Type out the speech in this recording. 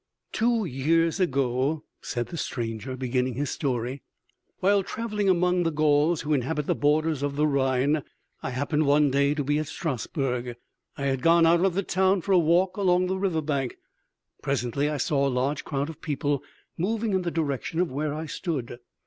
"Two years ago," said the stranger, beginning his story, "while traveling among the Gauls who inhabit the borders of the Rhine, I happened one day to be at Strasburg. I had gone out of the town for a walk along the river bank. Presently I saw a large crowd of people moving in the direction of where I stood.